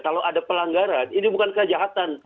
kalau ada pelanggaran ini bukan kejahatan